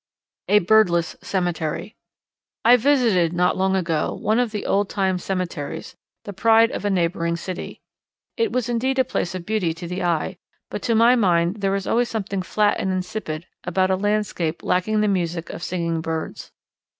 A Birdless Cemetery. I visited, not long ago, one of the old time cemeteries, the pride of a neighbouring city. It was indeed a place of beauty to the eye; but to my mind there is always something flat and insipid about a landscape lacking the music of singing birds.